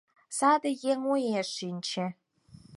Саде еҥ уэш шинче.